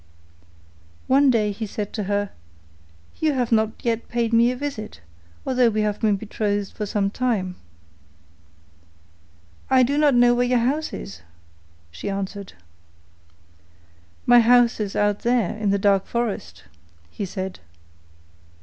One day he said to her, 'You have not yet paid me a visit, although we have been betrothed for some time.' 'I do not know where your house is,' she answered. 'My house is out there in the dark forest,' he said.